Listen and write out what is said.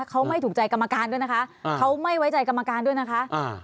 เขาไม่ถูกใจกรรมการด้วยนะคะเขาไม่ไว้ใจกรรมการด้วยนะคะ